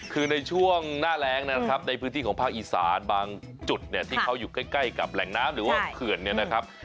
คือในช่วงหน้าแรงนะครับในพื้นที่ของภาคอีสานบางจุดเนี่ยที่เขาอยู่ใกล้กับแหล่งน้ำหรือว่าเขื่อนเนี่ยนะครับ